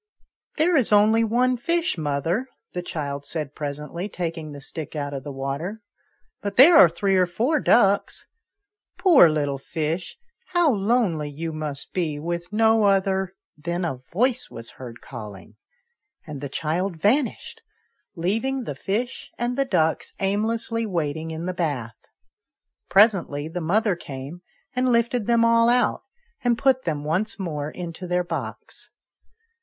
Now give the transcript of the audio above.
" There is only one fish, mother," the child said presently, taking the stick out of the water, " but there are three or four ducks. Poor little fish ! how lonely you must be, with no other " Then a voice was heard calling, and the child vanished, leaving the fish and the ducks aimlessly waiting in the bath. Presently the mother came, and lifted them all out, and put them once more into their box.